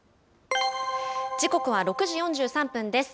時刻は６時４３分です。